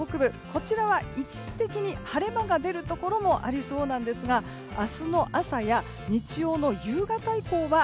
こちらは一時的に晴れ間が出るところもありそうなんですが明日の朝や日曜の夕方以降は